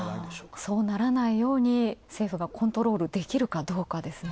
そうならないように政府がコントロールできるかですね。